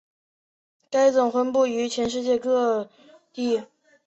该种分布于全世界各地。